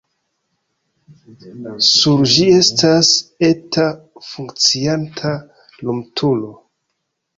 Sur ĝi estas eta funkcianta lumturo.